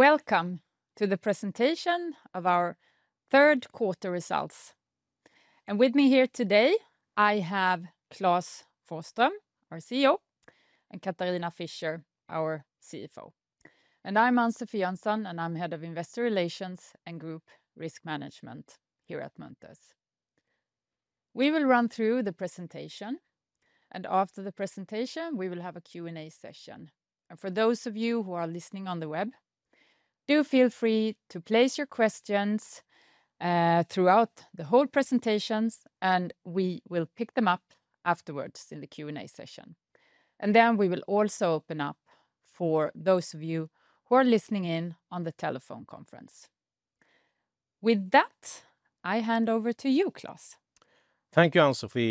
...Welcome to the presentation of our Q3 results. And with me here today, I have Klas Forsström, our CEO, and Katharina Fischer Thank you, Ann-Sofie,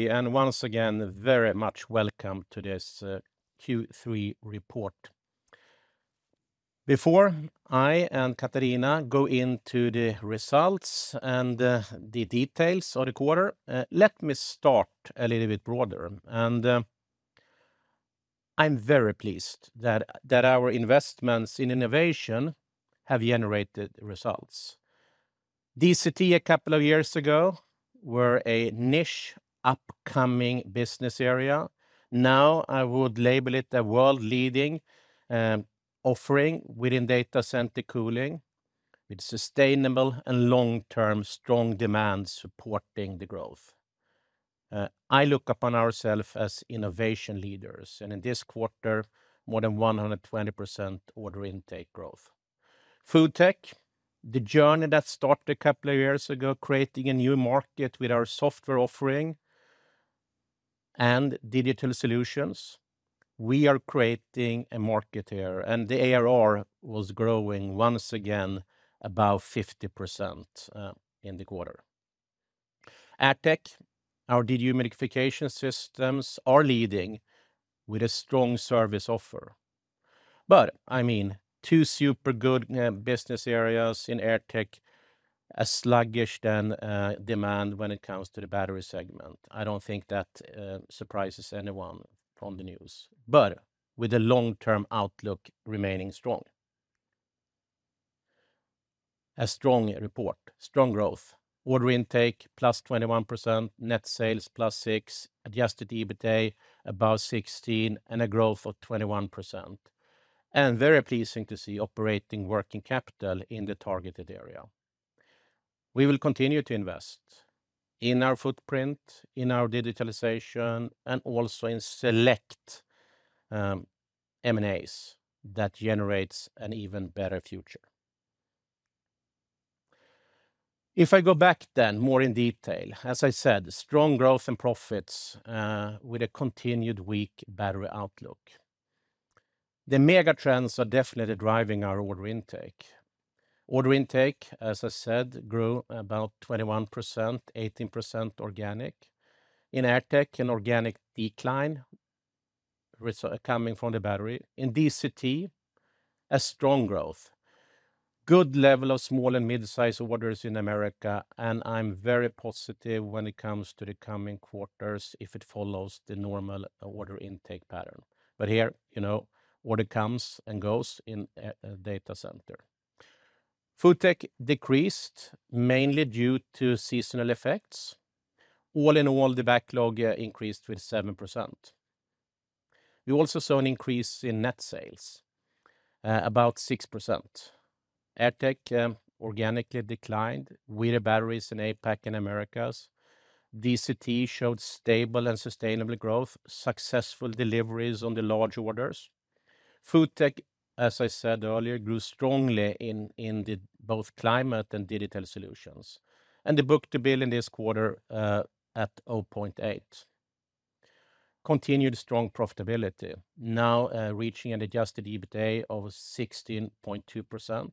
and once again, very much welcome to this, Q3 report. Before I and Catarina go into the results and, the details of the quarter, let me start a little bit broader. I'm very pleased that our investments in innovation have generated results. DCT a couple of years ago, were a niche, upcoming business area. Now, I would label it a world-leading, offering within data center cooling, with sustainable and long-term strong demand supporting the growth. I look upon ourself as innovation leaders, and in this quarter, more than 120% order intake growth. FoodTech, the journey that started a couple of years ago, creating a new market with our software offering and digital solutions, we are creating a market here, and the ARR was growing once again, about 50%, in the quarter. AirTech, our dehumidification systems are leading with a strong service offer. I mean, two super good business areas in AirTech, a sluggish demand when it comes to the battery segment. I don't think that surprises anyone from the news, but with the long-term outlook remaining strong. A strong report, strong growth, order intake +21%, net sales +6%, adjusted EBITA about 16%, and a growth of 21%. Very pleasing to see operating working capital in the targeted area. We will continue to invest in our footprint, in our digitalization, and also in select M&As that generates an even better future. If I go back then more in detail, as I said, strong growth and profits with a continued weak battery outlook. The mega trends are definitely driving our order intake. Order intake, as I said, grew about 21%, 18% organic. In AirTech, an organic decline, which coming from the battery. In DCT, a strong growth. Good level of small and mid-size orders in America, and I'm very positive when it comes to the coming quarters if it follows the normal order intake pattern. But here, you know, order comes and goes in a data center. FoodTech decreased, mainly due to seasonal effects. All in all, the backlog increased with 7%. We also saw an increase in net sales about 6%. AirTech organically declined with the batteries in APAC and Americas. DCT showed stable and sustainable growth, successful deliveries on the large orders. FoodTech, as I said earlier, grew strongly in the both climate and digital solutions, and the book-to-bill in this quarter at 0.8. Continued strong profitability, now, reaching an adjusted EBITA of 16.2%.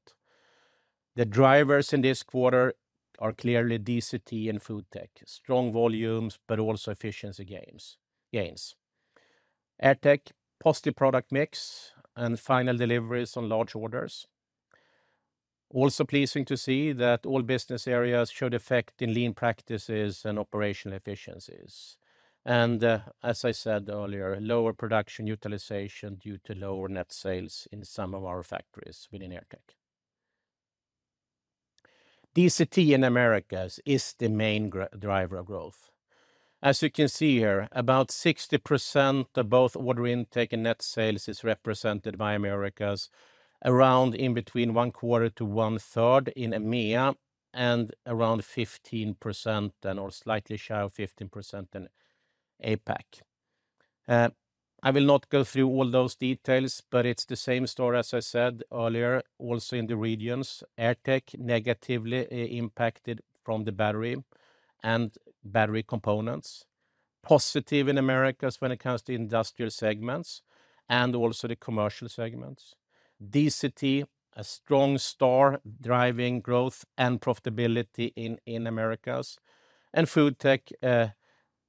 The drivers in this quarter are clearly DCT and FoodTech. Strong volumes, but also efficiency gains. AirTech, positive product mix and final deliveries on large orders. Also pleasing to see that all business areas showed effect in lean practices and operational efficiencies. And, as I said earlier, lower production utilization due to lower net sales in some of our factories within AirTech. DCT in Americas is the main driver of growth. As you can see here, about 60% of both order intake and net sales is represented by Americas, around in between one quarter to one-third in EMEA, and around 15%, or slightly shy of 15% in APAC. I will not go through all those details, but it's the same story as I said earlier, also in the regions. AirTech negatively impacted from the battery and battery components. Positive in Americas when it comes to industrial segments and also the commercial segments. DCT, a strong start driving growth and profitability in Americas. And FoodTech,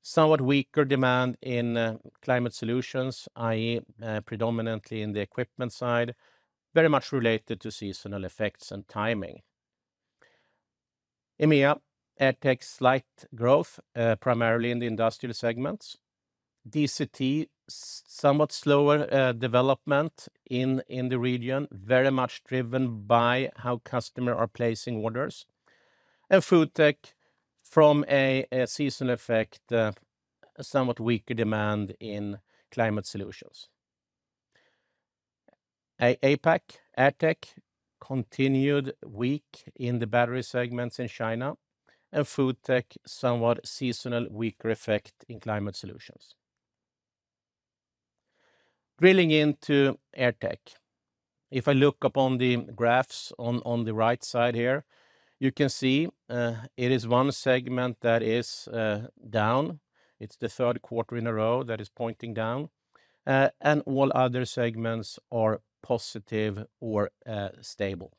somewhat weaker demand in climate solutions, i.e., predominantly in the equipment side, very much related to seasonal effects and timing. EMEA, AirTech slight growth, primarily in the industrial segments. DCT, somewhat slower development in the region, very much driven by how customers are placing orders. And FoodTech, from a seasonal effect, somewhat weaker demand in climate solutions. APAC, AirTech continued weak in the battery segments in China, and FoodTech, somewhat seasonal weaker effect in climate solutions. Drilling into AirTech, if I look upon the graphs on the right side here, you can see, it is one segment that is down. It's the Q3 in a row that is pointing down. And all other segments are positive or stable.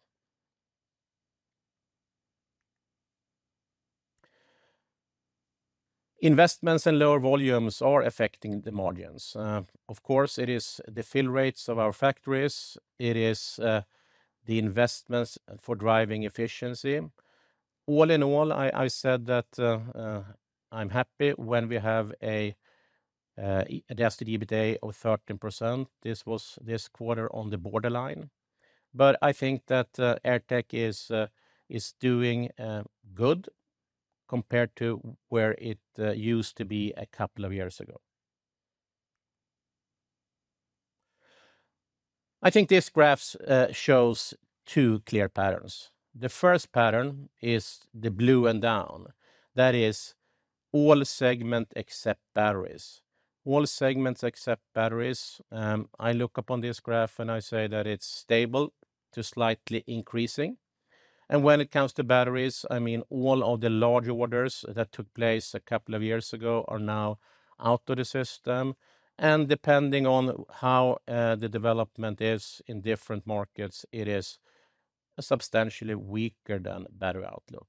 Investments and lower volumes are affecting the margins. Of course, it is the fill rates of our factories. It is the investments for driving efficiency. All in all, I said that I'm happy when we have a adjusted EBITA of 13%. This was this quarter on the borderline, but I think that AirTech is doing good compared to where it used to be a couple of years ago. I think this graphs shows two clear patterns. The first pattern is the blue and down. That is all segments except batteries. All segments except batteries, I look up on this graph, and I say that it's stable to slightly increasing. And when it comes to batteries, I mean, all of the large orders that took place a couple of years ago are now out of the system, and depending on how the development is in different markets, it is a substantially weaker battery outlook.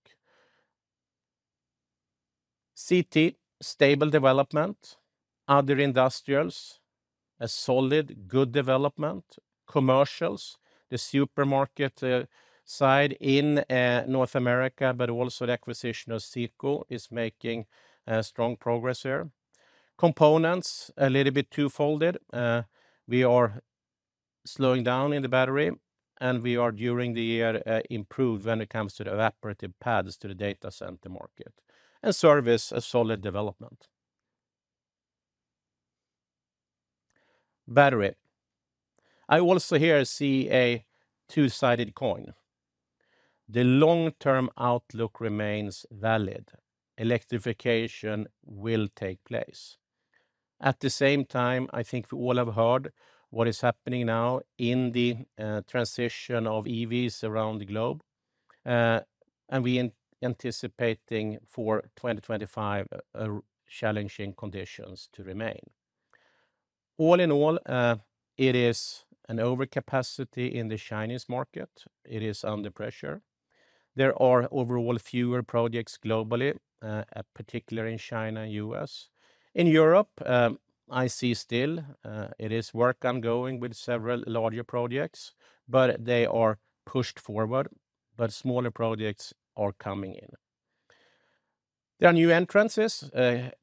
CT, stable development. Other industrials, a solid, good development. Commercials, the supermarket side in North America, but also the acquisition of SyCool is making strong progress here. Components, a little bit twofold. We are slowing down in the battery, and we are, during the year, improve when it comes to the evaporative pads to the data center market. And service, a solid development. Battery. I also here see a two-sided coin. The long-term outlook remains valid. Electrification will take place. At the same time, I think we all have heard what is happening now in the transition of EVs around the globe, and we are anticipating for 2025 challenging conditions to remain. All in all, it is an overcapacity in the Chinese market. It is under pressure. There are overall fewer projects globally, particularly in China and U.S. In Europe, I see still it is work ongoing with several larger projects, but they are pushed forward, but smaller projects are coming in. There are new entrants,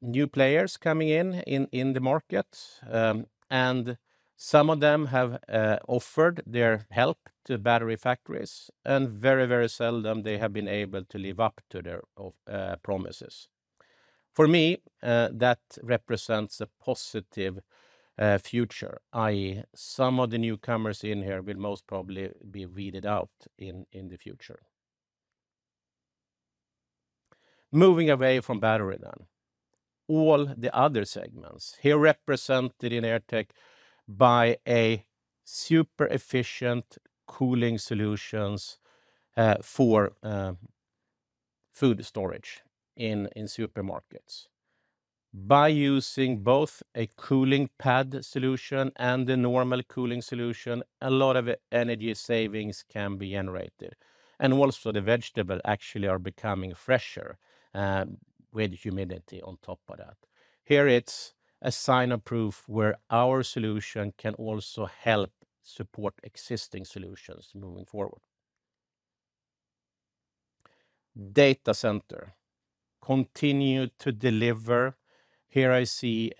new players coming in, in the market, and some of them have offered their help to battery factories, and very, very seldom they have been able to live up to their promises. For me, that represents a positive future, i.e., some of the newcomers in here will most probably be weeded out in the future. Moving away from battery, then. All the other segments, here represented in AirTech by super efficient cooling solutions for food storage in supermarkets. By using both a cooling pad solution and a normal cooling solution, a lot of energy savings can be generated. And also, the vegetable actually are becoming fresher with humidity on top of that. Here, it's a sign of proof where our solution can also help support existing solutions moving forward. Data Center continued to deliver. Here, I see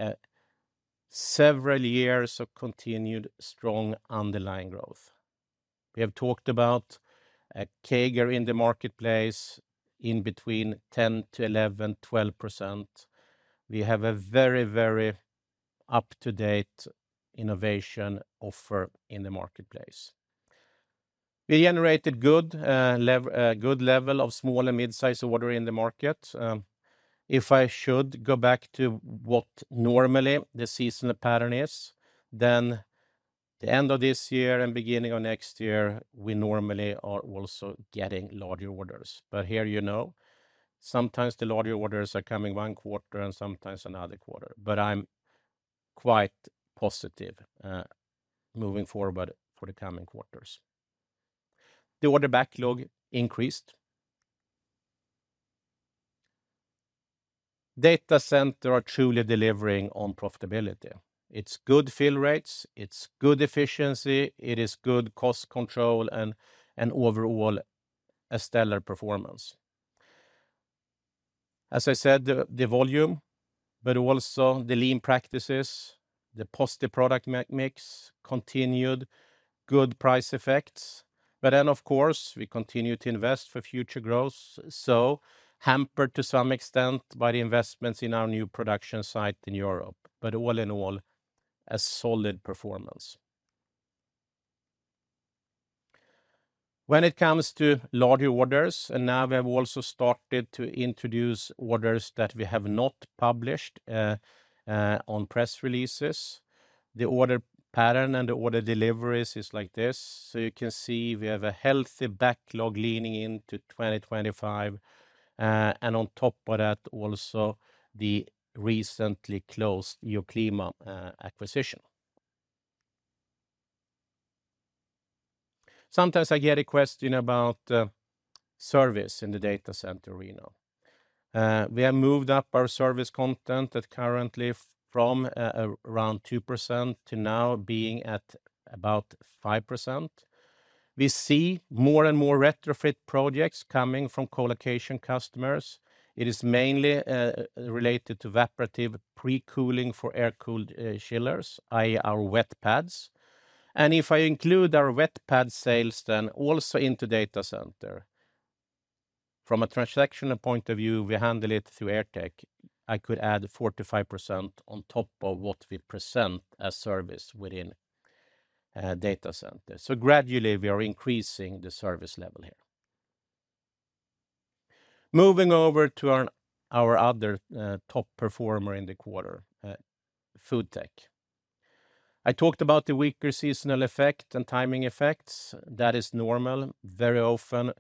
several years of continued strong underlying growth. We have talked about a CAGR in the marketplace in between 10%-11%, 12%. We have a very, very up-to-date innovation offer in the marketplace. We generated good, a good level of small and mid-size order in the market. If I should go back to what normally the seasonal pattern is, then the end of this year and beginning of next year, we normally are also getting larger orders. But here, you know, sometimes the larger orders are coming one quarter and sometimes another quarter, but I'm quite positive, moving forward for the coming quarters. The order backlog increased. Data Center are truly delivering on profitability. It's good fill rates, it's good efficiency, it is good cost control, and overall, a stellar performance. As I said, the volume, but also the lean practices, the positive product mix, continued good price effects. But then, of course, we continue to invest for future growth, so hampered to some extent by the investments in our new production site in Europe. But all in all, a solid performance. When it comes to large orders, and now we have also started to introduce orders that we have not published on press releases. The order pattern and the order deliveries is like this. So you can see we have a healthy backlog leaning into2025. And on top of that, also the recently closed Geoclima acquisition. Sometimes I get a question about service in the data center arena. We have moved up our service content that currently from around 2% to now being at about 5%. We see more and more retrofit projects coming from co-location customers. It is mainly related to evaporative pre-cooling for air-cooled chillers, i.e., our wet pads. And if I include our wet pad sales, then also into data center, from a transactional point of view, we handle it through AirTech. I could add 45% on top of what we present as service within data center. So gradually, we are increasing the service level here. Moving over to our other top performer in the quarter, FoodTech. I talked about the weaker seasonal effect and timing effects. That is normal. Very often,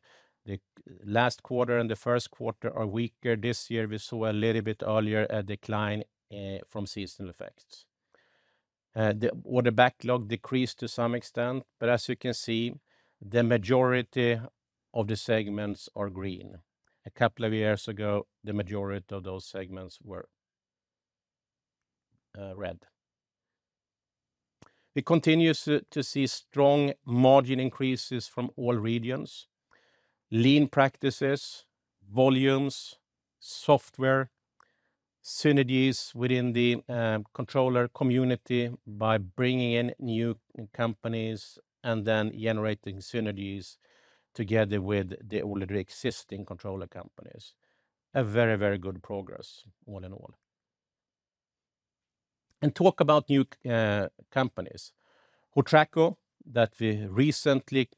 the last quarter and the Q1 are weaker. This year, we saw a little bit earlier a decline from seasonal effects. The order backlog decreased to some extent, but as you can see, the majority of the segments are green. A couple of years ago, the majority of those segments were red. We continue to see strong margin increases from all regions, lean practices, volumes, software, synergies within the controller community by bringing in new companies and then generating synergies together with the already existing controller companies. A very, very good progress, all in all. And talk about new companies, Hotraco, that we recently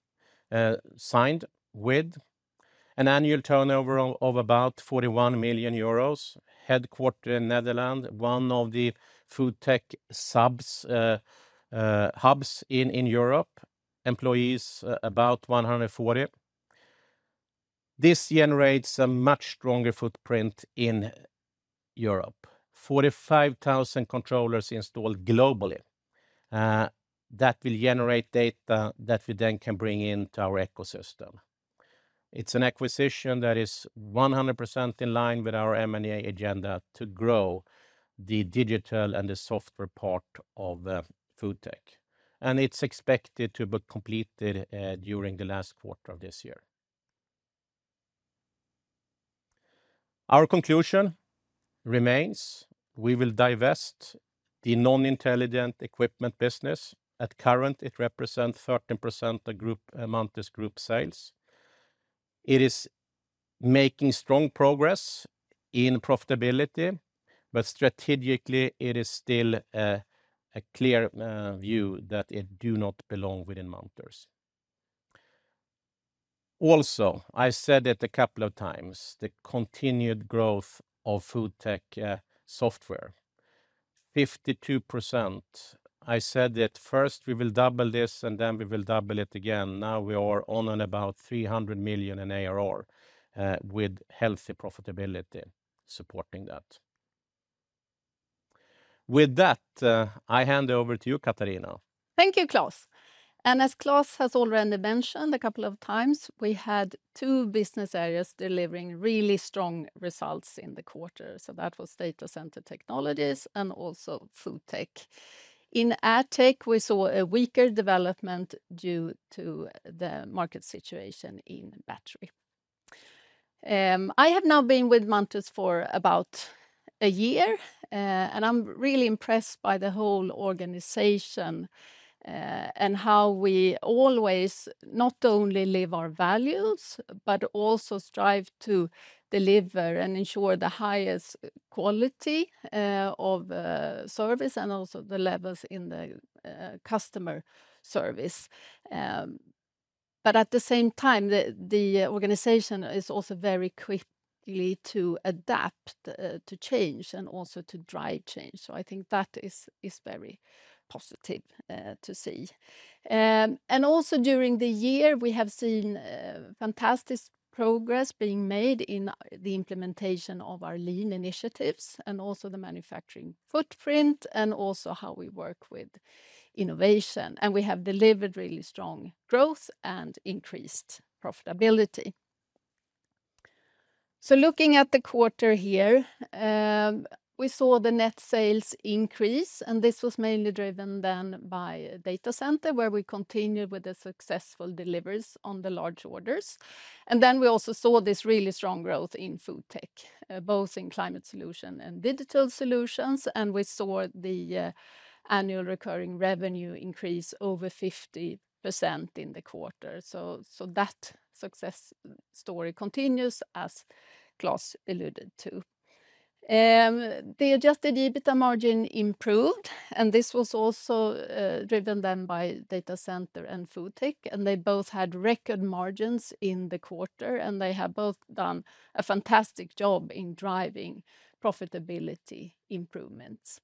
signed with, an annual turnover of about 41 million euros, headquartered in Netherlands, one of the FoodTech sub hubs in Europe. Employees, about 140. This generates a much stronger footprint in Europe. 45,000 controllers installed globally, that will generate data that we then can bring into our ecosystem. It's an acquisition that is 100% in line with our M&A agenda to grow the digital and the software part of FoodTech, and it's expected to be completed during the last quarter of this year. Our conclusion remains: we will divest the non-intelligent equipment business. At current, it represents 13% of group Munters Group sales. It is making strong progress in profitability, but strategically, it is still a clear view that it do not belong within Munters. Also, I've said it a couple of times, the continued growth of FoodTech software, 52%. I said that first we will double this, and then we will double it again. Now we are on and about 300 million in ARR with healthy profitability supporting that. With that, I hand over to you, Catarina. Thank you, Klas. And as Klas has already mentioned a couple of times, we had two business areas delivering really strong results in the quarter, so that was Data Center Technologies and also FoodTech. In AirTech, we saw a weaker development due to the market situation in battery. I have now been with Munters for about a year, and I'm really impressed by the whole organization, and how we always not only live our values, but also strive to deliver and ensure the highest quality of service and also the levels in the customer service. But at the same time, the organization is also very quickly to adapt to change and also to drive change. So I think that is very positive to see. And also during the year, we have seen fantastic progress being made in the implementation of our lean initiatives, and also the manufacturing footprint, and also how we work with innovation, and we have delivered really strong growth and increased profitability. So looking at the quarter here, we saw the net sales increase, and this was mainly driven then by data center, where we continued with the successful deliveries on the large orders. And then we also saw this really strong growth in FoodTech, both in climate solution and digital solutions, and we saw the annual recurring revenue increase over 50% in the quarter. So that success story continues, as Klas alluded to. The adjusted EBITA margin improved, and this was also driven then by data center and FoodTech, and they both had record margins in the quarter, and they have both done a fantastic job in driving profitability improvements.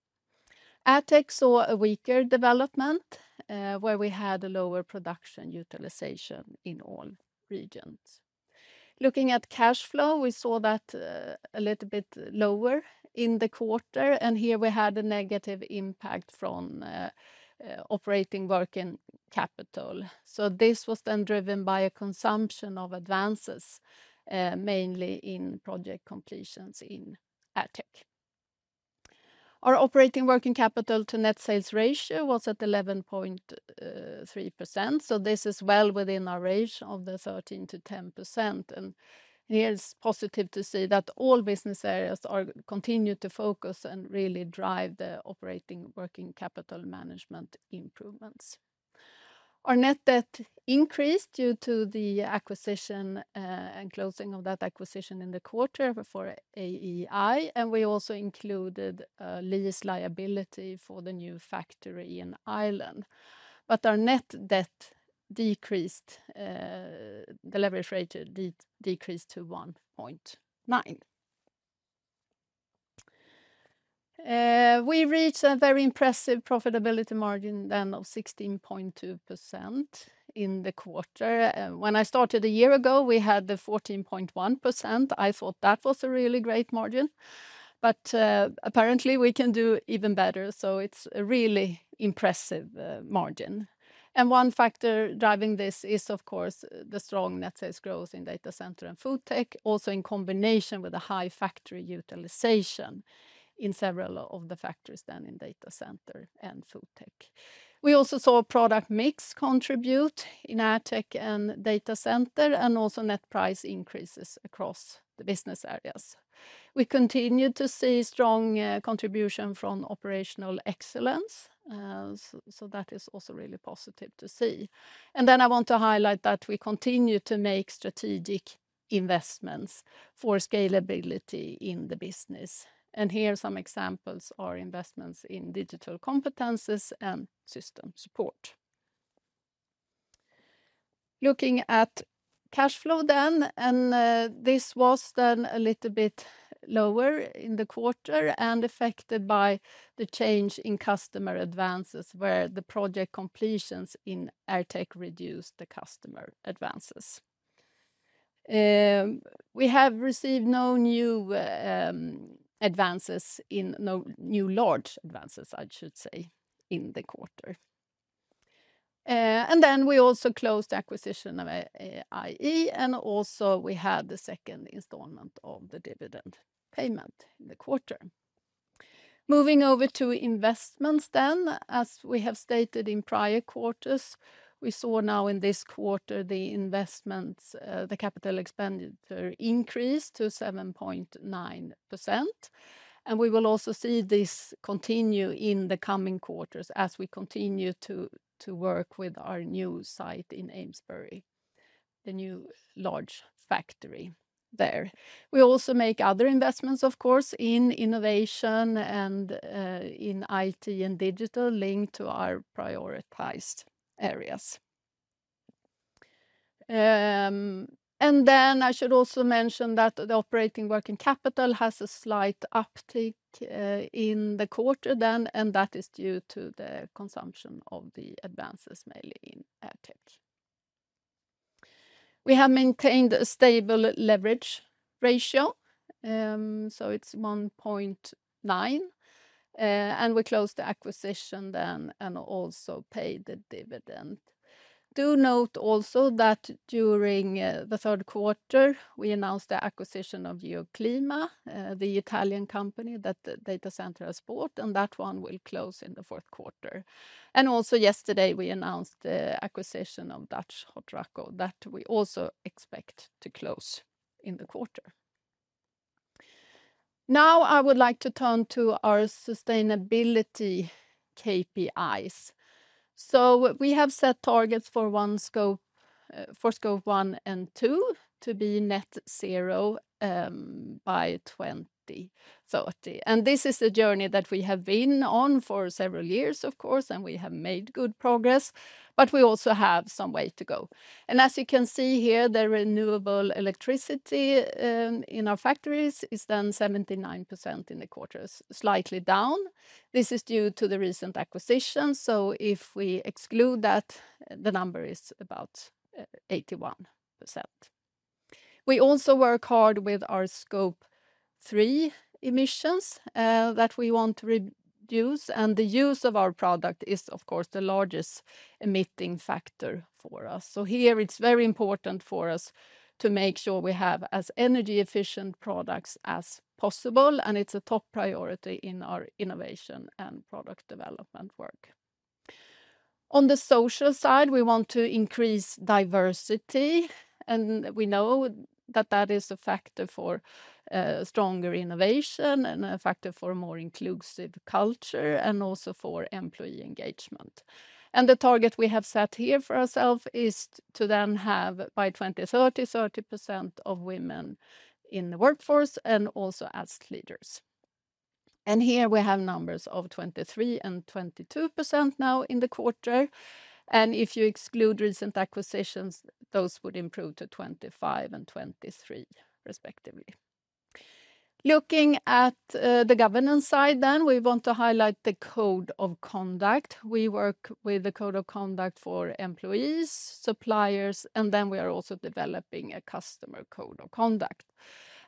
AirTech saw a weaker development, where we had a lower production utilization in all regions. Looking at cash flow, we saw that a little bit lower in the quarter, and here we had a negative impact from operating working capital. So this was then driven by a consumption of advances, mainly in project completions in AirTech. Our operating working capital to net sales ratio was at 11.3%, so this is well within our range of the 13%-10%. Here, it's positive to see that all business areas continue to focus and really drive the operating working capital management improvements. Our net debt increased due to the acquisition, and closing of that acquisition in the quarter for AirEx, and we also included, lease liability for the new factory in Ireland. But our net debt decreased, the leverage rate decreased to 1.9. We reached a very impressive profitability margin then of 16.2% in the quarter. When I started a year ago, we had the 14.1%. I thought that was a really great margin, but, apparently we can do even better, so it's a really impressive, margin. One factor driving this is, of course, the strong net sales growth in data center and FoodTech. Also, in combination with a high factory utilization in several of the factories then in data center and FoodTech. We also saw product mix contribute in AirTech and data center, and also net price increases across the business areas. We continued to see strong contribution from operational excellence, so that is also really positive to see. And then I want to highlight that we continue to make strategic investments for scalability in the business, and here some examples are investments in digital competences and system support. Looking at cash flow then, and this was then a little bit lower in the quarter and affected by the change in customer advances, where the project completions in AirTech reduced the customer advances. We have received no new advances in... No new large advances, I should say, in the quarter. And then we also closed the acquisition of AirEx, and also we had the second installment of the dividend payment in the quarter. Moving over to investments then. As we have stated in prior quarters, we saw now in this quarter the investments, the capital expenditure increased to 7.9%, and we will also see this continue in the coming quarters as we continue to work with our new site in Amesbury, the new large factory there. We also make other investments, of course, in innovation and in IT and digital, linked to our prioritized areas. And then I should also mention that the operating working capital has a slight uptick in the quarter then, and that is due to the consumption of the advances, mainly in AirTech. We have maintained a stable leverage ratio, so it's 1.9, and we closed the acquisition then, and also paid the dividend. Do note also that during the Q3, we announced the acquisition of Geoclima, the Italian company that the data center has bought, and that one will close in the Q4, and also yesterday, we announced the acquisition of Dutch Hotraco that we also expect to close in the quarter. Now, I would like to turn to our sustainability KPIs, so we have set targets for Scope 1 and Scope 2 to be net zero by 2030, and this is a journey that we have been on for several years, of course, and we have made good progress, but we also have some way to go, and as you can see here, the renewable electricity in our factories is then 79% in the quarter, slightly down. This is due to the recent acquisition, so if we exclude that, the number is about 81%. We also work hard with our Scope 3 emissions that we want to reduce, and the use of our product is, of course, the largest emitting factor for us. So here, it's very important for us to make sure we have as energy-efficient products as possible, and it's a top priority in our innovation and product development work. On the social side, we want to increase diversity, and we know that that is a factor for stronger innovation and a factor for a more inclusive culture, and also for employee engagement. And the target we have set here for ourselves is to then have, by 2030, 30% of women in the workforce and also as leaders. Here we have numbers of 23% and 22% now in the quarter, and if you exclude recent acquisitions, those would improve to 25% and 23% respectively. Looking at the governance side, then we want to highlight the Code of Conduct. We work with the Code of Conduct for employees, suppliers, and then we are also developing a customer Code of Conduct.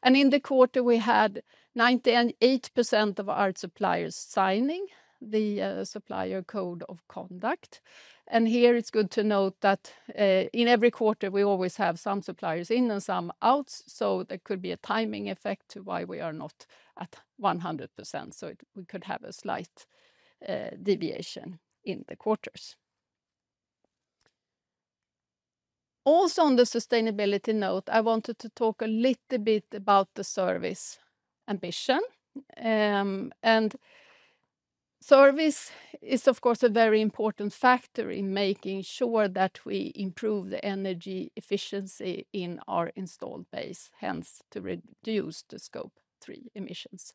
In the quarter, we had 98% of our suppliers signing the supplier Code of Conduct. Here it's good to note that in every quarter, we always have some suppliers in and some out, so there could be a timing effect to why we are not at 100%, so we could have a slight deviation in the quarters. Also, on the sustainability note, I wanted to talk a little bit about the service ambition. And service is, of course, a very important factor in making sure that we improve the energy efficiency in our installed base, hence, to reduce the Scope 3 emissions.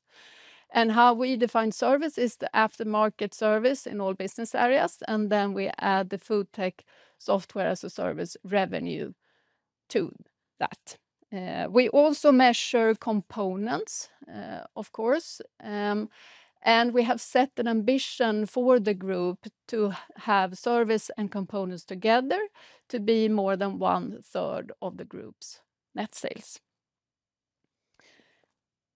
And how we define service is the aftermarket service in all business areas, and then we add the FoodTech Software as a Service revenue to that. We also measure components, of course, and we have set an ambition for the group to have service and components together to be more than one-third of the group's net sales.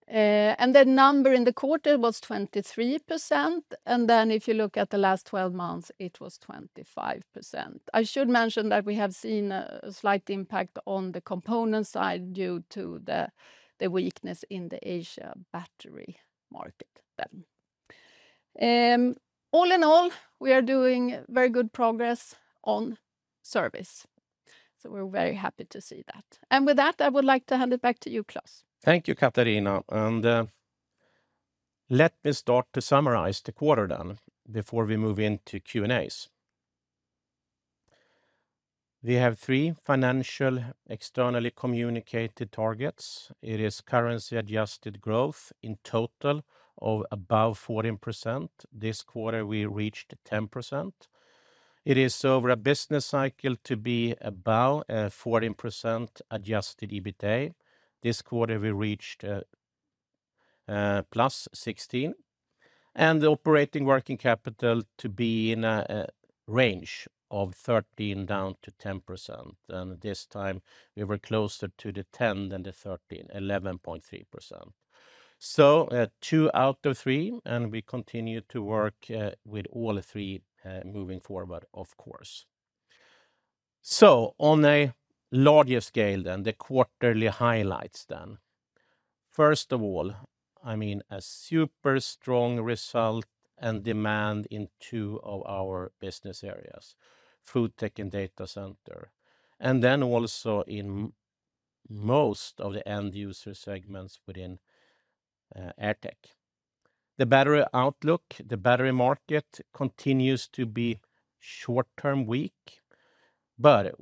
And that number in the quarter was 23%, and then if you look at the last twelve months, it was 25%. I should mention that we have seen a slight impact on the component side due to the weakness in the Asia battery market then. All in all, we are doing very good progress on service, so we're very happy to see that. And with that, I would like to hand it back to you, Klas. Thank you, Catarina, and let me start to summarize the quarter then before we move into Q&As. We have three financial externally communicated targets. It is currency-adjusted growth in total of above 14%. This quarter, we reached 10%. It is over a business cycle to be about 14% adjusted EBITA. This quarter, we reached +16%, and the operating working capital to be in a range of 13%-10%, and this time we were closer to the 10% than the 13%, 11.3%. So at two out of three, and we continue to work with all three moving forward, of course. So on a larger scale then, the quarterly highlights then. First of all, I mean, a super strong result and demand in two of our business areas, FoodTech and Data Center, and then also in most of the end-user segments within AirTech. The battery outlook, the battery market continues to be short-term weak, but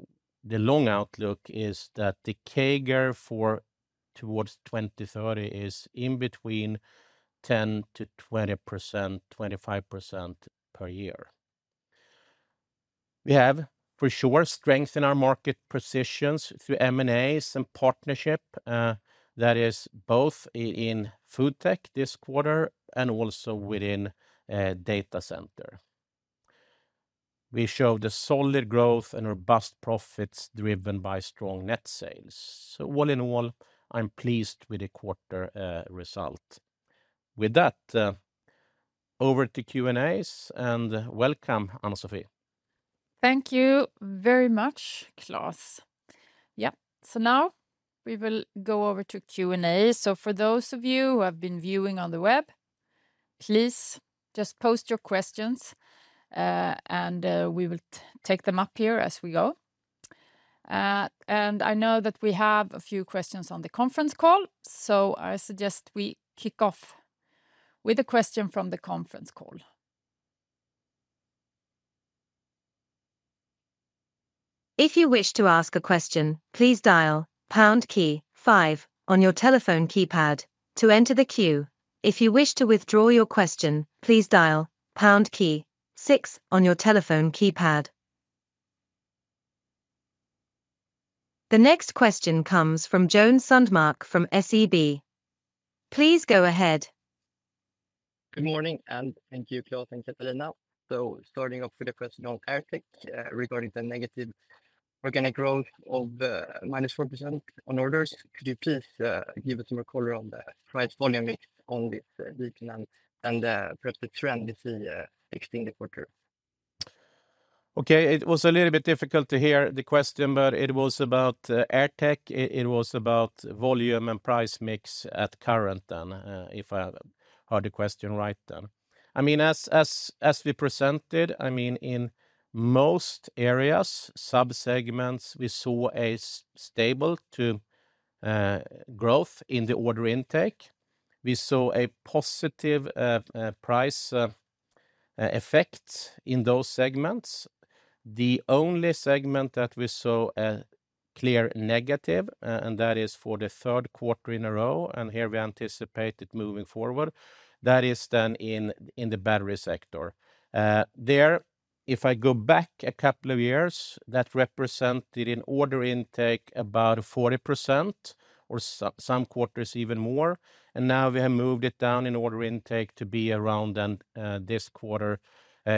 the long outlook is that the CAGR for towards 2030 is in between 10%-20%, 25% per year. We have, for sure, strength in our market positions through M&As and partnership that is both in FoodTech this quarter and also within Data Center. We showed a solid growth and robust profits driven by strong net sales. So all in all, I'm pleased with the quarter result. With that, over to Q&As, and welcome, Ann-Sofie. Thank you very much, Klas. Yeah, so now we will go over to Q&A. So for those of you who have been viewing on the web, please just post your questions, and we will take them up here as we go. And I know that we have a few questions on the conference call, so I suggest we kick off with a question from the conference call. If you wish to ask a question, please dial pound key five on your telephone keypad to enter the queue. If you wish to withdraw your question, please dial pound key six on your telephone keypad. The next question comes from Joan Sundmark, from SEB. Please go ahead.... Good morning, and thank you, Klas and Catarina. So starting off with a question on AirTech, regarding the negative organic growth of minus 4% on orders. Could you please give us some color on the price volume mix on this decline and perhaps the trend we see extending the quarter? Okay, it was a little bit difficult to hear the question, but it was about AirTech. It was about volume and price mix at current then, if I heard the question right, then. I mean, as we presented, I mean, in most areas, sub-segments, we saw stable to growth in the order intake. We saw a positive price effect in those segments. The only segment that we saw a clear negative, and that is for the Q3 in a row, and here we anticipate it moving forward, that is then in the battery sector. There, if I go back a couple of years, that represented an order intake about 40% or so, some quarters even more, and now we have moved it down in order intake to be around this quarter,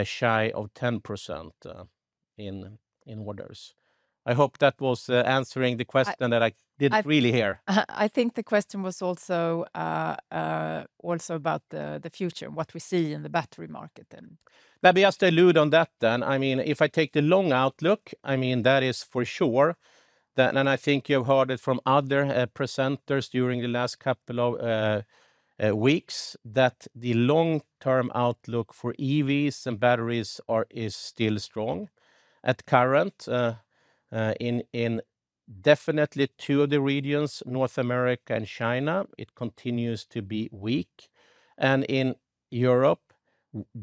shy of 10%, in orders. I hope that was answering the question. I- that I didn't really hear. I think the question was also about the future, what we see in the battery market then. Maybe just to allude on that, then, I mean, if I take the long outlook, I mean, that is for sure, and I think you've heard it from other presenters during the last couple of weeks, that the long-term outlook for EVs and batteries is still strong. Currently, definitely in two of the regions, North America and China, it continues to be weak. And in Europe,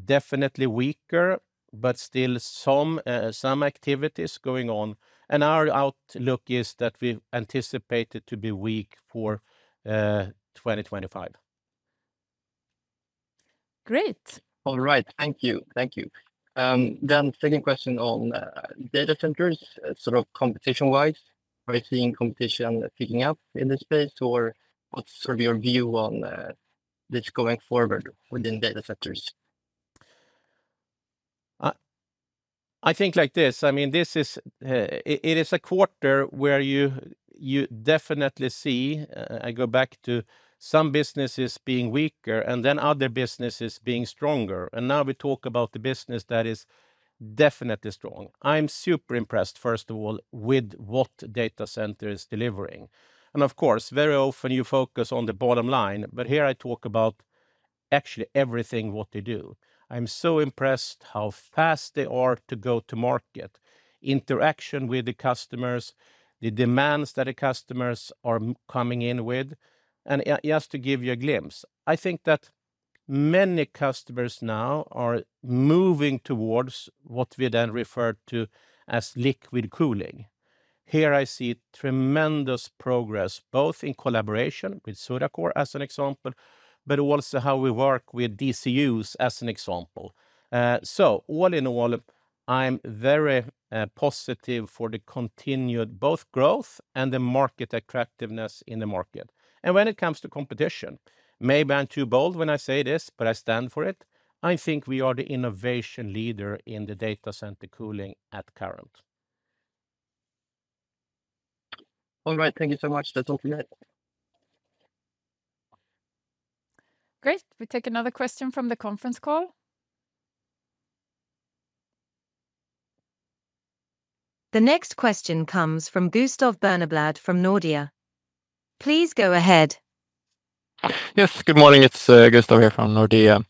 definitely weaker, but still some activities going on. And our outlook is that we anticipate it to be weak for2025. Great. All right, thank you. Thank you. Then second question on data centers. Sort of competition-wise, are you seeing competition picking up in this space, or what's sort of your view on this going forward within data centers? I think like this, I mean, this is it is a quarter where you definitely see I go back to some businesses being weaker, and then other businesses being stronger. Now we talk about the business that is definitely strong. I'm super impressed, first of all, with what data center is delivering. And of course, very often you focus on the bottom line, but here I talk about actually everything, what they do. I'm so impressed how fast they are to go to market, interaction with the customers, the demands that the customers are coming in with. And just to give you a glimpse, I think that many customers now are moving towards what we then refer to as liquid cooling. Here I see tremendous progress, both in collaboration with ZutaCore, as an example, but also how we work with DCTs, as an example. So all in all, I'm very positive for the continued both growth and the market attractiveness in the market. When it comes to competition, maybe I'm too bold when I say this, but I stand for it: I think we are the innovation leader in the data center cooling currently. All right, thank you so much. That's all we have. Great. We take another question from the conference call. The next question comes from Gustav Berneblad from Nordea. Please go ahead. Yes, good morning. It's Gustav here from Nordea.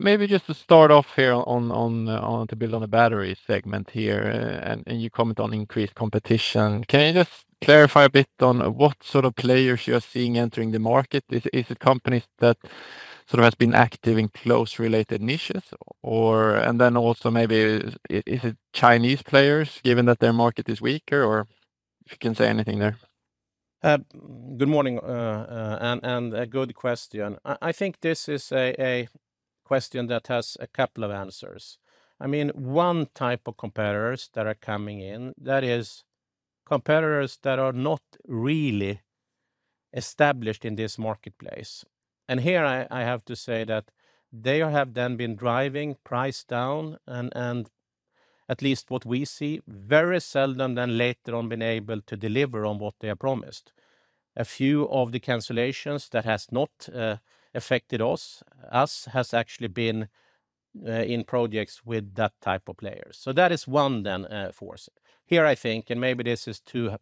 Maybe just to start off here on to build on the battery segment here, and you comment on increased competition. Can you just clarify a bit on what sort of players you are seeing entering the market? Is it companies that sort of has been active in closely related niches, or... And then also, maybe, is it Chinese players, given that their market is weaker, or if you can say anything there? Good morning, and a good question. I think this is a question that has a couple of answers. I mean, one type of competitors that are coming in, that is competitors that are not really established in this marketplace, and here I have to say that they have then been driving price down, and at least what we see, very seldom then later on been able to deliver on what they have promised. A few of the cancellations that has not affected us has actually been in projects with that type of players, so that is one then force. Here, I think, and maybe this is too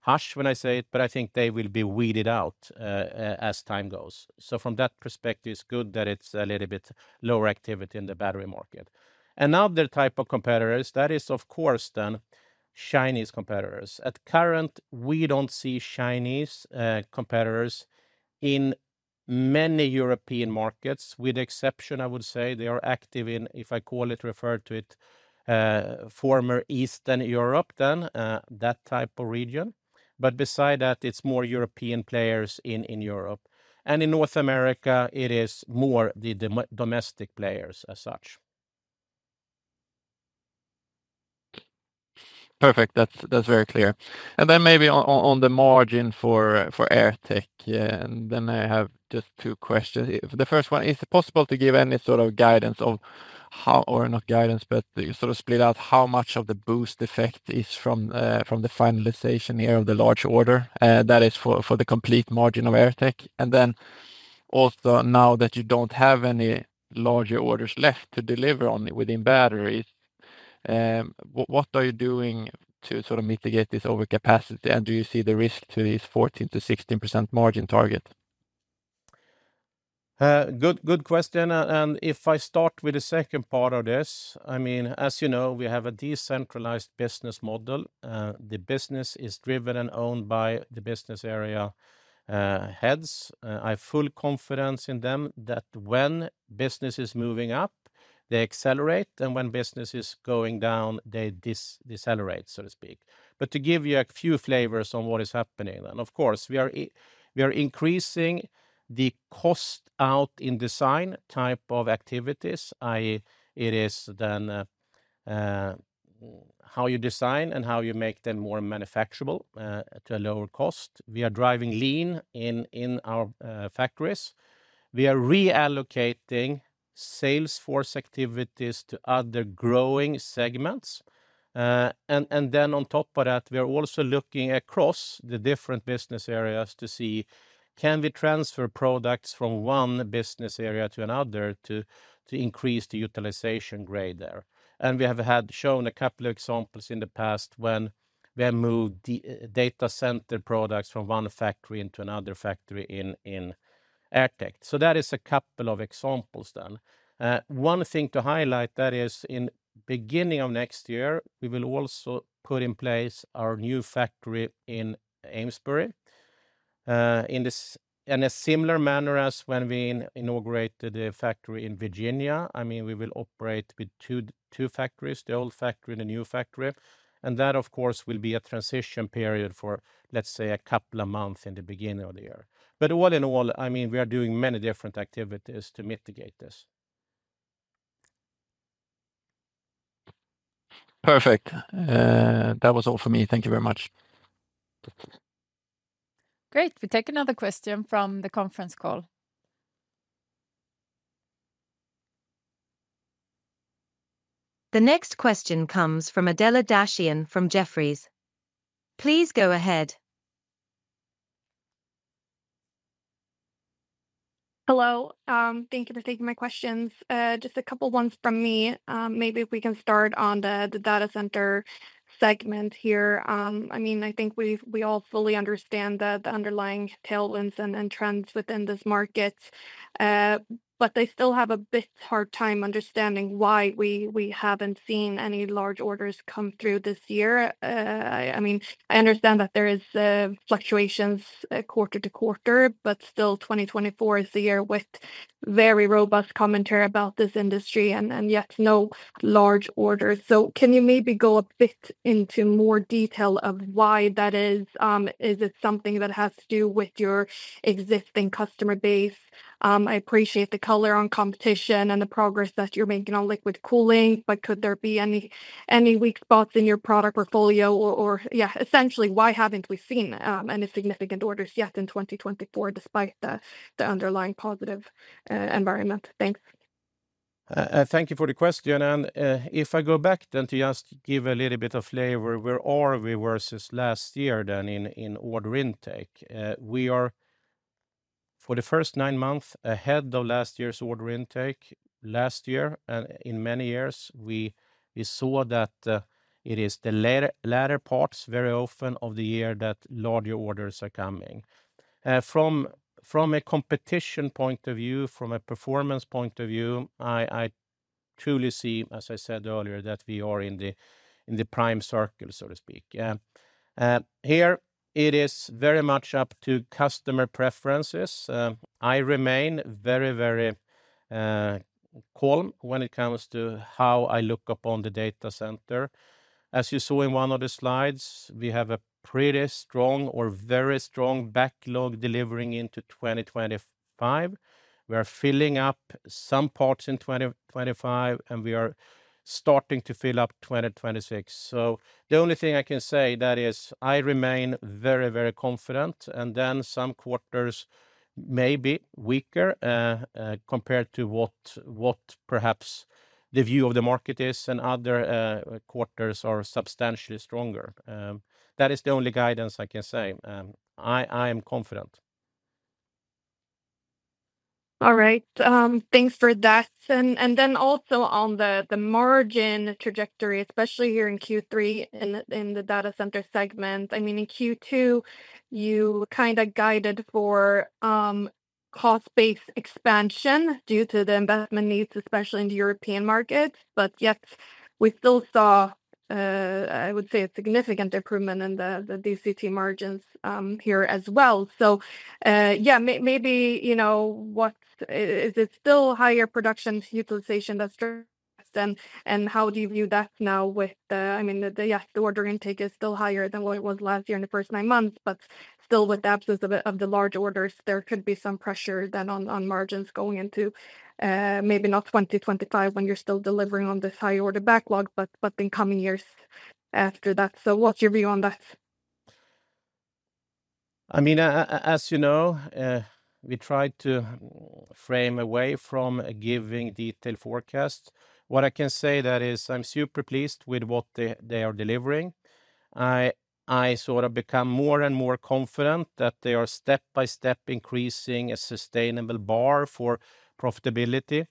harsh when I say it, but I think they will be weeded out as time goes. So from that perspective, it's good that it's a little bit lower activity in the battery market. Another type of competitors, that is, of course, then Chinese competitors. Currently, we don't see Chinese competitors in many European markets, with exception, I would say, they are active in, if I call it, refer to it, former Eastern Europe, then that type of region. But besides that, it's more European players in Europe. And in North America, it is more the domestic players as such. ... Perfect! That's, that's very clear. And then maybe on the margin for AirTech, yeah, and then I have just two questions. The first one, is it possible to give any sort of guidance of how or not guidance, but you sort of split out how much of the boost effect is from the finalization here of the large order that is for the complete margin of AirTech? And then also, now that you don't have any larger orders left to deliver on within batteries, what are you doing to sort of mitigate this overcapacity? And do you see the risk to these 14%-16% margin target? Good, good question. And if I start with the second part of this, I mean, as you know, we have a decentralized business model. The business is driven and owned by the business area heads. I have full confidence in them that when business is moving up, they accelerate, and when business is going down, they decelerate, so to speak. But to give you a few flavors on what is happening, and of course, we are increasing the cost out in design type of activities. It is then how you design and how you make them more manufacturable to a lower cost. We are driving lean in our factories. We are reallocating sales force activities to other growing segments. And then on top of that, we are also looking across the different business areas to see, can we transfer products from one business area to another, to increase the utilization grade there? And we have had shown a couple of examples in the past when we have moved the data center products from one factory into another factory in AirTech. So that is a couple of examples then. One thing to highlight, that is in beginning of next year, we will also put in place our new factory in Amesbury. In a similar manner as when we inaugurated a factory in Virginia. I mean, we will operate with two factories, the old factory and the new factory, and that, of course, will be a transition period for, let's say, a couple of months in the beginning of the year. But all in all, I mean, we are doing many different activities to mitigate this. Perfect. That was all for me. Thank you very much. Great! We take another question from the conference call. The next question comes from Adela Dashian from Jefferies. Please go ahead. Hello, thank you for taking my questions. Just a couple ones from me. Maybe if we can start on the data center segment here. I mean, I think we've we all fully understand the underlying tailwinds and trends within this market, but I still have a bit hard time understanding why we haven't seen any large orders come through this year. I mean, I understand that there is fluctuations quarter to quarter, but still, twenty twenty-four is the year with very robust commentary about this industry, and yet no large order. So can you maybe go a bit into more detail of why that is? Is it something that has to do with your existing customer base? I appreciate the color on competition and the progress that you're making on liquid cooling, but could there be any weak spots in your product portfolio or, yeah, essentially, why haven't we seen any significant orders yet in 2024, despite the underlying positive environment? Thanks. Thank you for the question, and if I go back then to just give a little bit of flavor, where are we versus last year then in order intake? We are, for the first nine months, ahead of last year's order intake. Last year, in many years, we saw that it is the latter parts, very often, of the year that larger orders are coming. From a competition point of view, from a performance point of view, I truly see, as I said earlier, that we are in the prime circle, so to speak. Here it is very much up to customer preferences. I remain very calm when it comes to how I look upon the data center. As you saw in one of the slides, we have a pretty strong or very strong backlog delivering into 2025. We are filling up some parts in 2025, and we are starting to fill up 2026. So the only thing I can say, that is, I remain very, very confident, and then some quarters may be weaker compared to what perhaps the view of the market is, and other quarters are substantially stronger. That is the only guidance I can say. I am confident. All right, thanks for that. Then also on the margin trajectory, especially here in Q3, in the data center segment. I mean, in Q2, you kinda guided for cost-based expansion due to the investment needs, especially in the European markets, but yet we still saw I would say a significant improvement in the DCT margins here as well. Yeah, you know, is it still higher production utilization that's driven? How do you view that now with the I mean, the, yes, the order intake is still higher than what it was last year in the first nine months, but still with the absence of the large orders, there could be some pressure then on margins going into maybe not 2025, when you're still delivering on this high order backlog, but in coming years after that. So what's your view on that?... I mean, as you know, we tried to frame away from giving detailed forecasts. What I can say that is I'm super pleased with what they are delivering. I sort of become more and more confident that they are step-by-step increasing a sustainable bar for profitability.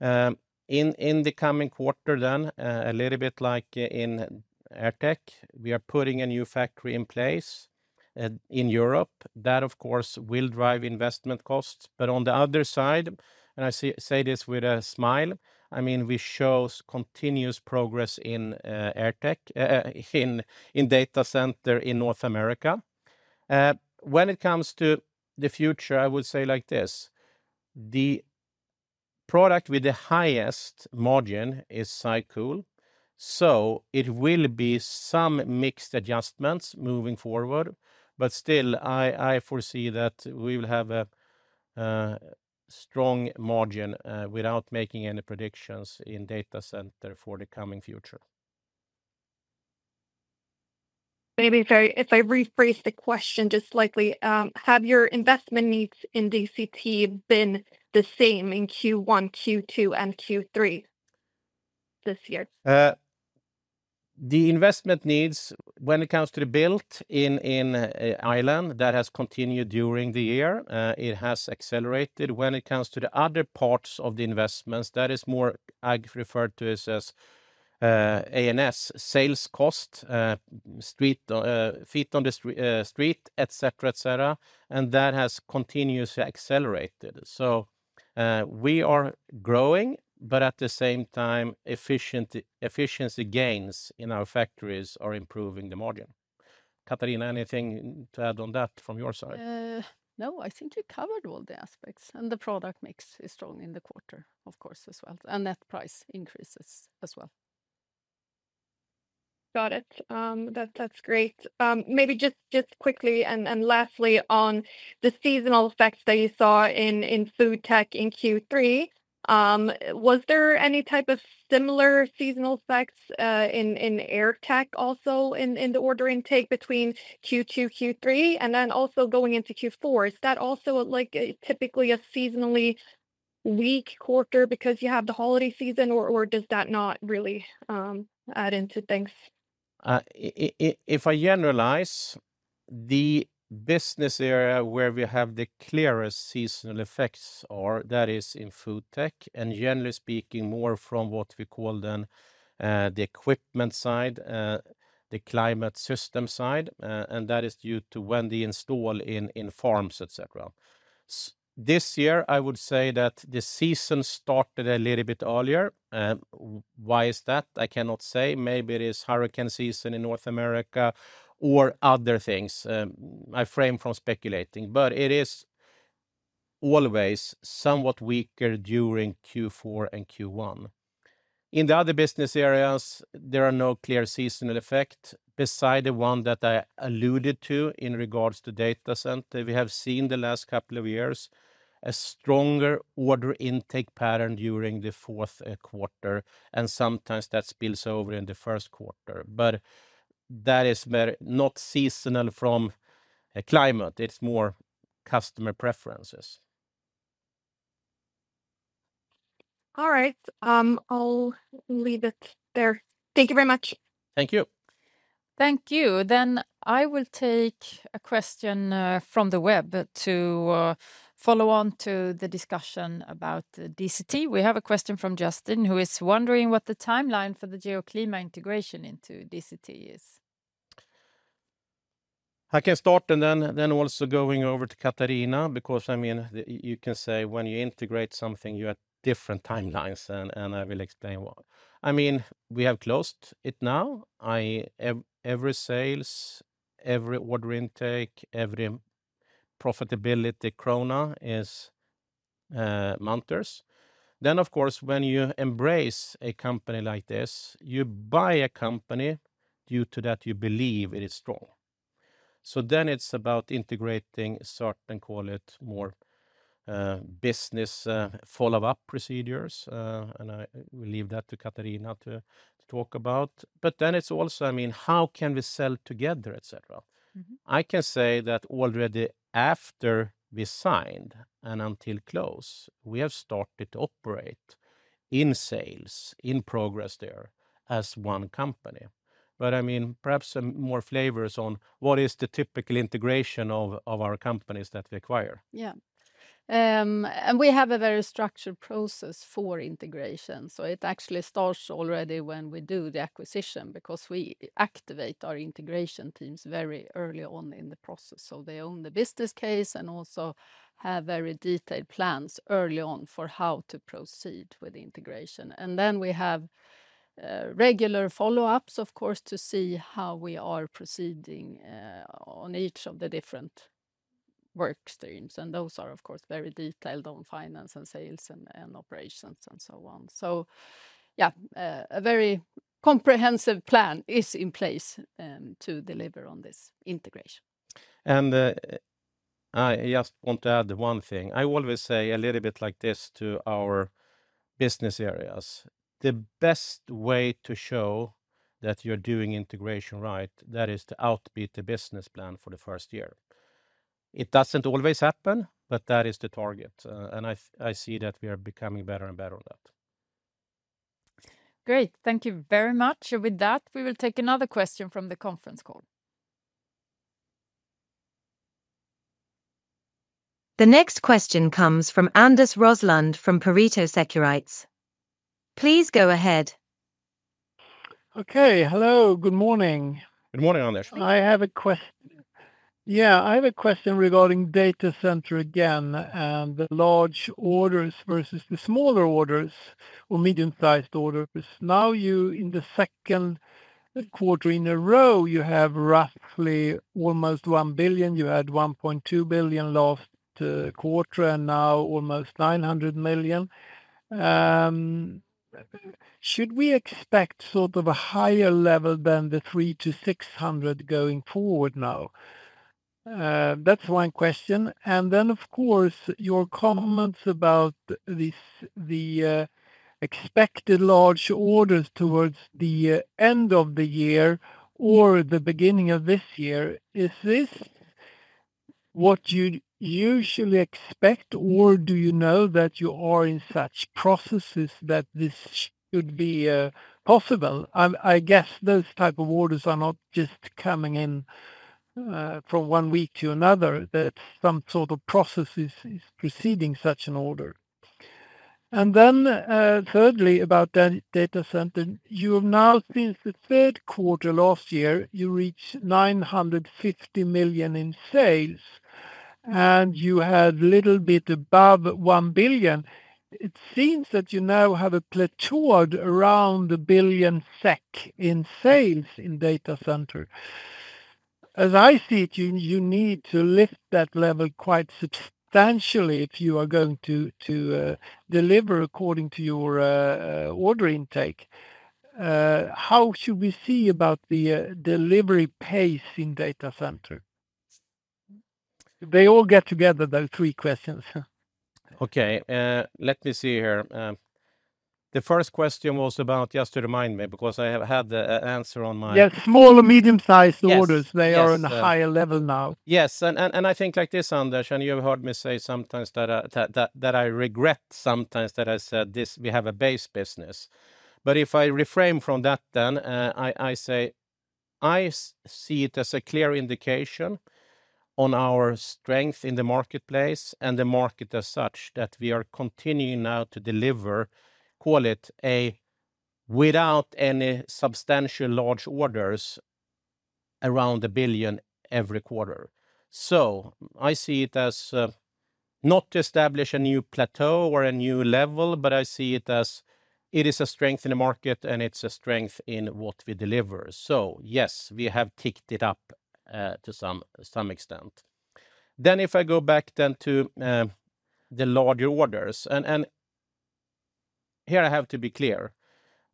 In the coming quarter then, a little bit like in AirTech, we are putting a new factory in place in Europe. That, of course, will drive investment costs. But on the other side, and I say this with a smile, I mean, we shows continuous progress in AirTech in data center in North America. When it comes to the future, I would say like this: the product with the highest margin is SyCool. So it will be some mixed adjustments moving forward, but still, I foresee that we will have a strong margin without making any predictions in data center for the coming future. Maybe if I rephrase the question just slightly, have your investment needs in DCT been the same in Q1, Q2, and Q3 this year? The investment needs when it comes to the build in Ireland that has continued during the year. It has accelerated. When it comes to the other parts of the investments, that is more I referred to as and SG&A costs, travel, feet on the street, et cetera, et cetera, and that has continuously accelerated. We are growing, but at the same time, efficiency gains in our factories are improving the margin. Catarina, anything to add on that from your side? No, I think you covered all the aspects, and the product mix is strong in the quarter, of course, as well, and that price increases as well. Got it. That, that's great. Maybe just quickly and lastly, on the seasonal effects that you saw in FoodTech in Q3, was there any type of similar seasonal effects in AirTech also in the order intake between Q2, Q3, and then also going into Q4? Is that also, like, typically a seasonally weak quarter because you have the holiday season, or does that not really add into things? If I generalize, the business area where we have the clearest seasonal effects are, that is in FoodTech, and generally speaking, more from what we call them, the equipment side, the climate system side, and that is due to when the installation in farms, etc. This year, I would say that the season started a little bit earlier. Why is that? I cannot say. Maybe it is hurricane season in North America or other things. I refrain from speculating, but it is always somewhat weaker during Q4 and Q1. In the other business areas, there are no clear seasonal effect besides the one that I alluded to in regards to data center. We have seen the last couple of years a stronger order intake pattern during the Q4, and sometimes that spills over in the Q1. But that is more not seasonal from a climate, it's more customer preferences. All right, I'll leave it there. Thank you very much. Thank you. Thank you. Then I will take a question from the web to follow on to the discussion about DCT. We have a question from Justin, who is wondering what the timeline for the Geoclima integration into DCT is. I can start, and then also going over to Catarina, because, I mean, you can say when you integrate something, you have different timelines, and I will explain why. I mean, we have closed it now. Every sales, every order intake, every profitability krona is Munters. Then, of course, when you embrace a company like this, you buy a company due to that you believe it is strong. So then it's about integrating certain, call it, more business follow-up procedures, and I will leave that to Catarina to talk about. But then it's also, I mean, how can we sell together, et cetera? Mm-hmm. I can say that already after we signed and until close, we have started to operate in sales, in progress there, as one company. But, I mean, perhaps some more flavors on what is the typical integration of our companies that we acquire? Yeah. And we have a very structured process for integration, so it actually starts already when we do the acquisition, because we activate our integration teams very early on in the process. So they own the business case and also have very detailed plans early on for how to proceed with the integration. And then we have regular follow-ups, of course, to see how we are proceeding on each of the different work streams, and those are, of course, very detailed on finance, and sales, and operations, and so on. So yeah, a very comprehensive plan is in place to deliver on this integration. I just want to add one thing. I always say a little bit like this to our business areas: the best way to show that you're doing integration right, that is to outbeat the business plan for the first year. It doesn't always happen, but that is the target, and I see that we are becoming better and better on that. Great. Thank you very much. And with that, we will take another question from the conference call. The next question comes from Anders Roslund from Pareto Securities. Please go ahead. Okay. Hello, good morning. Good morning, Anders. I have a question regarding data center again, and the large orders versus the smaller orders or medium-sized orders. Now, you, in the Q2 in a row, you have roughly almost one billion. You had 1.2 billion last quarter, and now almost 900 million. Should we expect sort of a higher level than the 300-600 million going forward now? That's one question, and then, of course, your comments about the expected large orders towards the end of the year or the beginning of this year. Is this what you'd usually expect, or do you know that you are in such processes that this should be possible? I guess those type of orders are not just coming in from one week to another, that some sort of process is preceding such an order. And then, thirdly, about data center, you have now, since the Q3 last year, you reached 950 million in sales, and you had a little bit above 1 billion. It seems that you now have plateaued around 1 billion SEK in sales in data center. As I see it, you need to lift that level quite substantially if you are going to deliver according to your order intake. How should we see about the delivery pace in data center? They all get together, those three questions. Okay, let me see here. The first question was about, just to remind me, because I have had the answer on my- Yes, small- Yes... and medium-sized orders- Yes... they are on a higher level now. Yes, and I think like this, Anders, and you have heard me say sometimes that I regret sometimes that I said this, we have a base business. But if I refrain from that, then I say I see it as a clear indication on our strength in the marketplace and the market as such, that we are continuing now to deliver, call it, without any substantial large orders around 1 billion every quarter. So I see it as not to establish a new plateau or a new level, but I see it as it is a strength in the market, and it's a strength in what we deliver. So yes, we have ticked it up to some extent. Then if I go back to the larger orders, and here I have to be clear.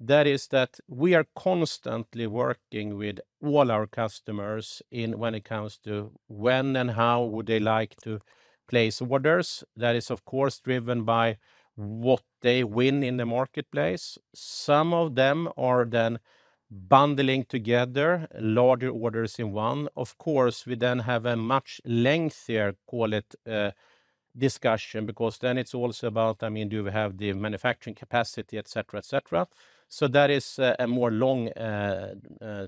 That is, that we are constantly working with all our customers in when it comes to when and how would they like to place orders. That is, of course, driven by what they win in the marketplace. Some of them are then bundling together larger orders in one. Of course, we then have a much lengthier, call it, discussion, because then it's also about, I mean, do we have the manufacturing capacity, et cetera, et cetera. So that is a more long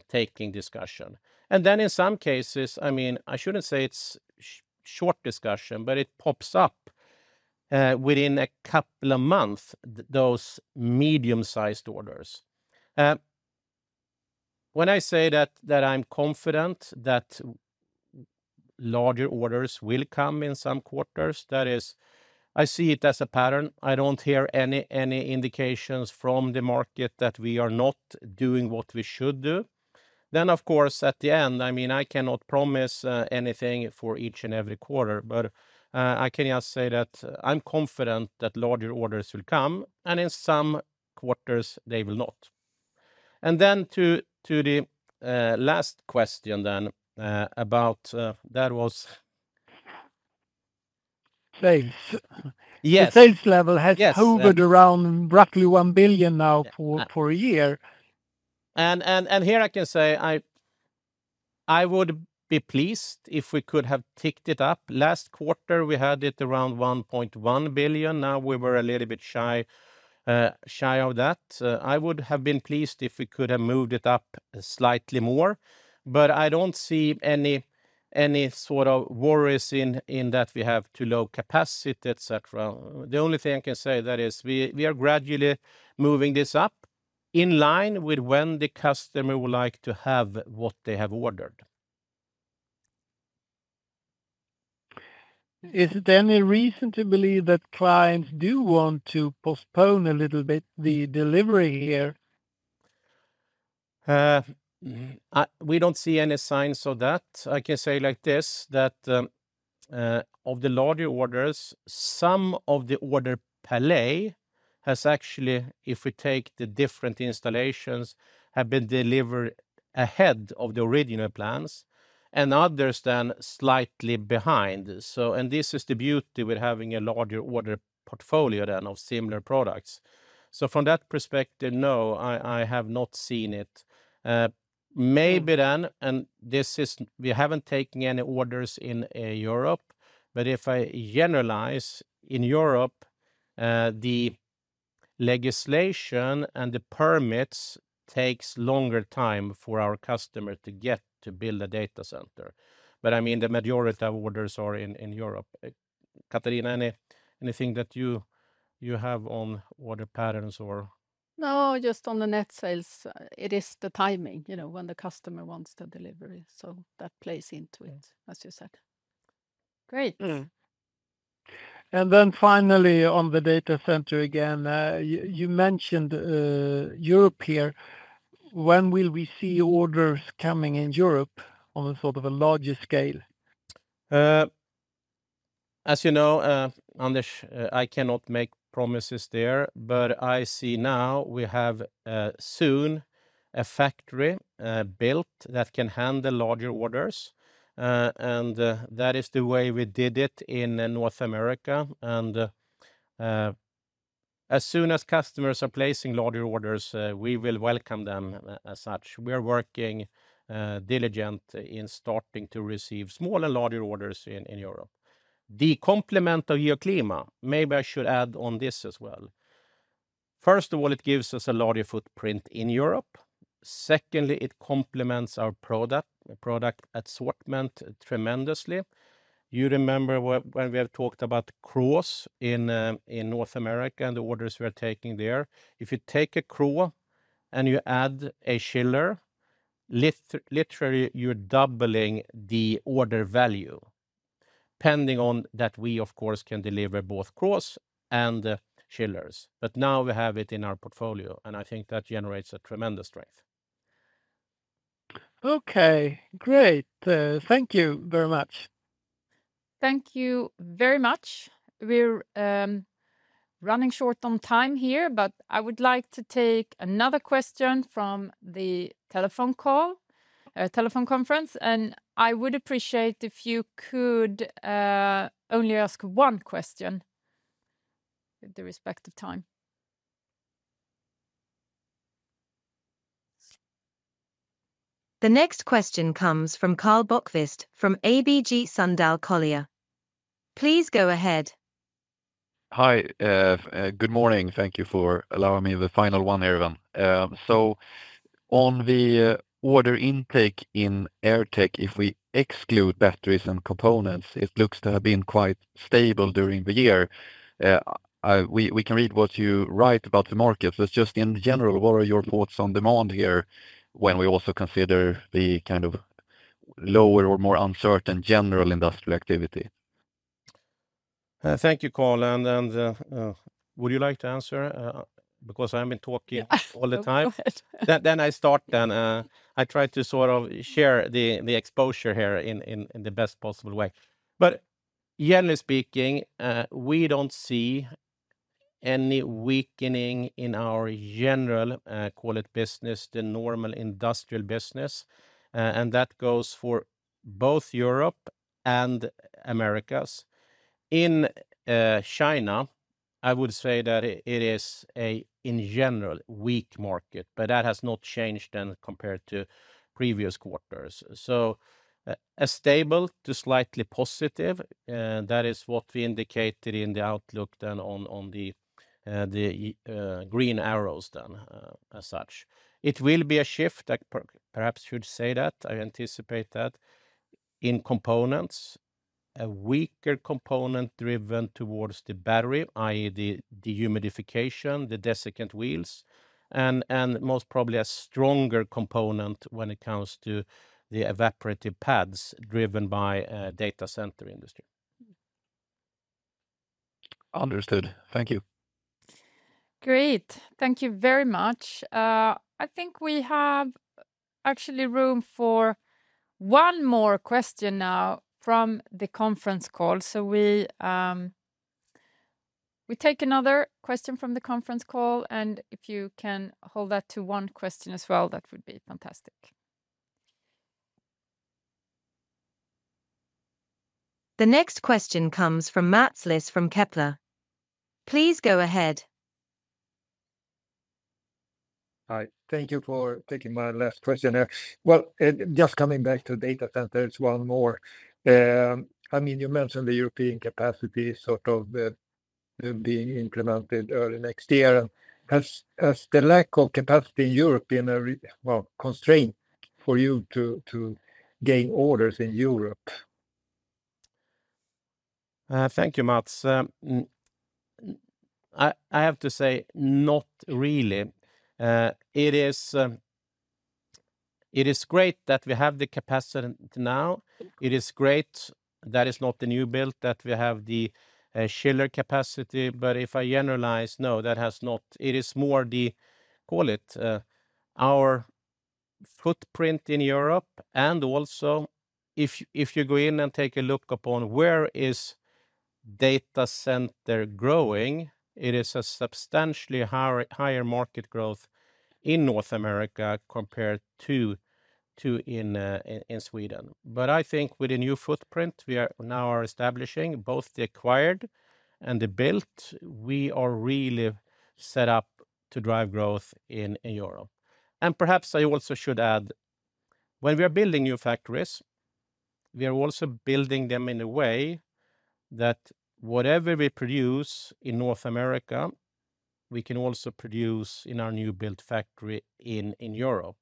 taking discussion. Then in some cases, I mean, I shouldn't say it's short discussion, but it pops up within a couple of month, those medium-sized orders. When I say that, that I'm confident that larger orders will come in some quarters, that is, I see it as a pattern. I don't hear any indications from the market that we are not doing what we should do. Then, of course, at the end, I mean, I cannot promise anything for each and every quarter, but I can just say that I'm confident that larger orders will come, and in some quarters they will not. And then to the last question then, about that was- Sales. Yes. The sales level- Yes... has hovered around roughly 1 billion now for- Uh... for a year. Here I can say I would be pleased if we could have ticked it up. Last quarter, we had it around 1.1 billion. Now, we were a little bit shy of that. I would have been pleased if we could have moved it up slightly more, but I don't see any sort of worries in that we have too low capacity, et cetera. The only thing I can say, that is, we are gradually moving this up in line with when the customer would like to have what they have ordered. Is there any reason to believe that clients do want to postpone a little bit the delivery here? We don't see any signs of that. I can say like this, that, of the larger orders, some of the order delays have actually, if we take the different installations, have been delivered ahead of the original plans, and others stand slightly behind. And this is the beauty with having a larger order portfolio than of similar products. From that perspective, no, I have not seen it. Maybe then, and this is we haven't taken any orders in Europe, but if I generalize, in Europe, the legislation and the permits takes longer time for our customer to get to build a data center. But, I mean, the majority of orders are in Europe. Catarina, anything that you have on order patterns or? No, just on the net sales, it is the timing, you know, when the customer wants the delivery, so that plays into it, as you said. Great. And then finally, on the data center again, you mentioned Europe here. When will we see orders coming in Europe on a sort of a larger scale? As you know, Anders, I cannot make promises there, but I see now we have soon a factory built that can handle larger orders, and that is the way we did it in North America, and as soon as customers are placing larger orders, we will welcome them as such. We are working diligent in starting to receive smaller, larger orders in Europe. The complement of Geoclima, maybe I should add on this as well. First of all, it gives us a larger footprint in Europe. Secondly, it complements our product assortment tremendously. You remember when we have talked about chillers in North America, and the orders we are taking there? If you take a coil and you add a chiller, literally, you're doubling the order value, depending on that we, of course, can deliver both coils and chillers. But now we have it in our portfolio, and I think that generates a tremendous strength. Okay, great. Thank you very much. Thank you very much. We're running short on time here, but I would like to take another question from the telephone conference, and I would appreciate if you could only ask one question, with respect to time. The next question comes from Karl Bokvist from ABG Sundal Collier. Please go ahead. Hi. Good morning. Thank you for allowing me the final one here, then. So on the order intake in AirTech, if we exclude batteries and components, it looks to have been quite stable during the year. We can read what you write about the market. So just in general, what are your thoughts on demand here, when we also consider the kind of lower or more uncertain general industrial activity? Thank you, Karl, and would you like to answer, because I've been talking all the time? Go ahead. Then I start. I try to sort of share the exposure here in the best possible way. But generally speaking, we don't see any weakening in our general, call it business, the normal industrial business, and that goes for both Europe and Americas. In China, I would say that it is a in general weak market, but that has not changed then compared to previous quarters. So, a stable to slightly positive, that is what we indicated in the outlook then on the green arrows then, as such. It will be a shift. I perhaps should say that. I anticipate that, in components. A weaker component driven towards the battery, i.e., the dehumidification, the desiccant wheels, and most probably a stronger component when it comes to the evaporative pads driven by data center industry. Understood. Thank you. Great, thank you very much. I think we have actually room for one more question now from the conference call. So we, we take another question from the conference call, and if you can hold that to one question as well, that would be fantastic. The next question comes from Mats Liss from Kepler. Please go ahead. Hi. Thank you for taking my last question here. Well, just coming back to data centers, one more. I mean, you mentioned the European capacity sort of being implemented early next year. And has the lack of capacity in Europe been a real constraint for you to gain orders in Europe? Thank you, Mats. I have to say, not really. It is great that we have the capacity now. It is great, that is not the new build, that we have the chiller capacity, but if I generalize, no, that has not. It is more the, call it, our footprint in Europe, and also if you go in and take a look upon where is data center growing, it is a substantially higher market growth in North America compared to in Sweden. But I think with the new footprint we are now establishing, both the acquired and the built, we are really set up to drive growth in Europe. Perhaps I also should add, when we are building new factories, we are also building them in a way that whatever we produce in North America, we can also produce in our new built factory in Europe,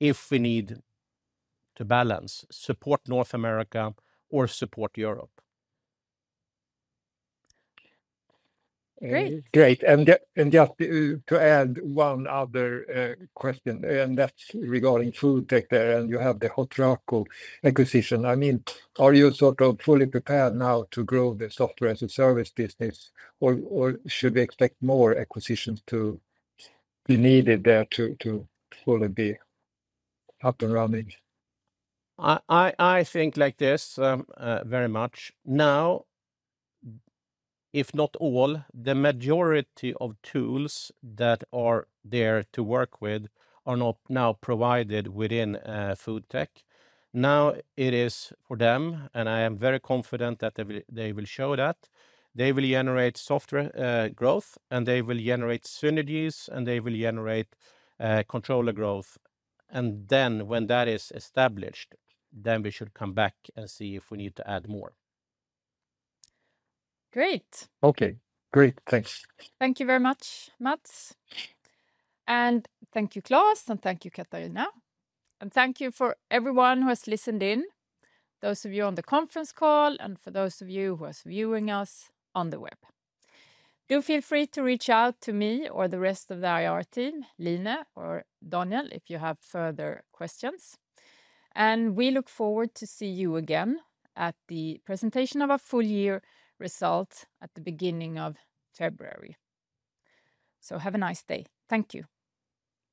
if we need to balance, support North America or support Europe. Great. Great, and just to add one other question, and that's regarding food tech there, and you have the Hotraco acquisition. I mean, are you sort of fully prepared now to grow the software as a service business, or should we expect more acquisitions to be needed there to fully be up and running? I think like this very much. Now, if not all, the majority of tools that are there to work with are now provided within FoodTech. Now, it is for them, and I am very confident that they will show that. They will generate software growth, and they will generate synergies, and they will generate controller growth, and then when that is established, then we should come back and see if we need to add more. Great! Okay, great. Thanks. Thank you very much, Mats. And thank you, Klas, and thank you, Catarina. And thank you for everyone who has listened in, those of you on the conference call, and for those of you who are viewing us on the web. Do feel free to reach out to me or the rest of the IR team, Line or Daniel, if you have further questions. And we look forward to see you again at the presentation of our full year results at the beginning of February. So have a nice day. Thank you.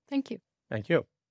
Thank you. Thank you.